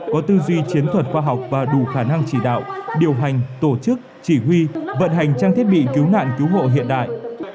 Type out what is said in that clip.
có tư duy chiến thuật khoa học và đủ khả năng chỉ đạo điều hành tổ chức chỉ huy vận hành trang thiết bị cứu nạn cứu hộ hiện đại